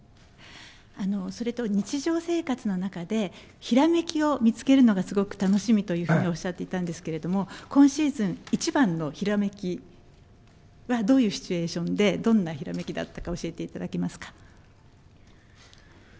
それと日常生活の中で、ひらめきを見つけるのがすごく楽しみというふうにおっしゃっていたんですけど、今シーズン、いちばんのひらめきは、どういうシチュエーションで、どんなひらめきだったか教えていただけますか。